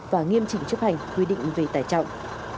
và nghiêm chỉnh chấp hành quy định về tải trọng